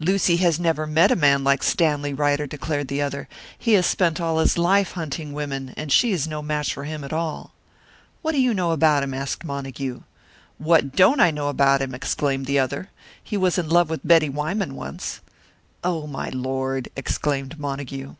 "Lucy has never met a man like Stanley Ryder!" declared the other. "He has spent all his life hunting women, and she is no match for him at all." "What do you know about him?" asked Montague. "What don't I know about him!" exclaimed the other. "He was in love with Betty Wyman once." "Oh, my Lord!" exclaimed Montague.